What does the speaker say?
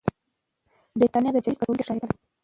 برتانويان د جګړې ګټونکي ښکارېدل.